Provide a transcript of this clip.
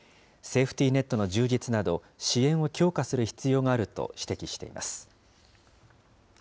セーフティーネットの充実など、支援を強化する必要があると指摘しています。